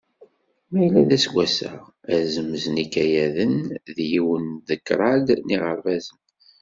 Ma yella d aseggas-a, azemz n yikayaden d yiwen deg kṛaḍ n yiɣerbazen.